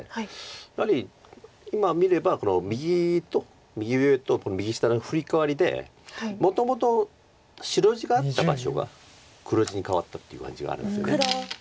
やはり今見れば右と右上と右下のフリカワリでもともと白地があった場所が黒地に替わったっていう感じがあるんですよね。